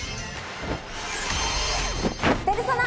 ペルソナ！